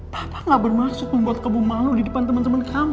papa gak bermaksud membuat kamu malu di depan temen temen kamu